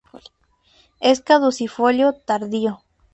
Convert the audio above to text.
Es caducifolio tardío.